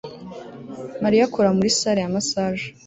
Mariya akora muri salle ya massage